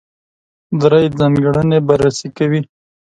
درې ځانګړنې بررسي کوي.